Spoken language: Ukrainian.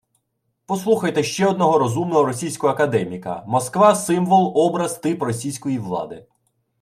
Послухайте ще одного розумного російського академіка: «Москва – Символ, Образ, Тип Російської влади